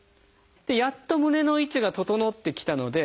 やっと胸の位置が整ってきたので。